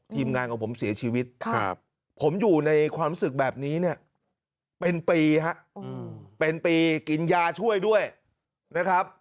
ทีมงานของผมเสียชีวิตผมอยู่ในความรู้สึกแบบนี้เนี่ยเป็นปีฮะเป็นปีกินยาช่วยด้วยนะครับ